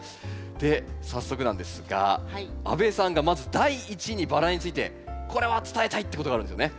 で早速なんですが阿部さんがまず第一にバラについてこれは伝えたいってことがあるんですよね？